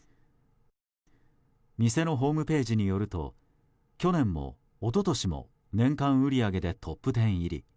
店のホームページによると去年も一昨年も年間売り上げでトップ１０入り。